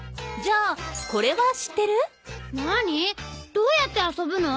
どうやって遊ぶの？